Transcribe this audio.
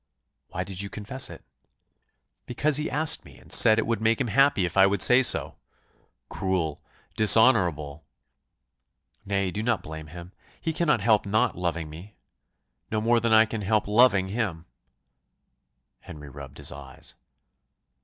"Why did you confess it?" "Because he asked me and said it would make him happy if I would say so." "Cruel! dishonourable!" "Nay, do not blame him; he cannot help not loving me, no more than I can help loving him." Henry rubbed his eyes.